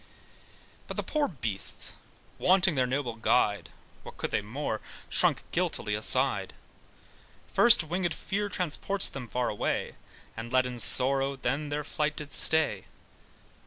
But the poor beasts, wanting their noble guide, (What could they more?) shrunk guiltily aside. First wingèd fear transports them far away, And leaden sorrow then their flight did stay.